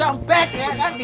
bang ustadz ya kan